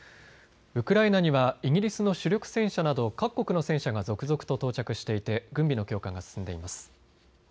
ウクライナにはイギリスの主力戦車など各国の戦車が続々と到着していて軍備の強化が進んでいます。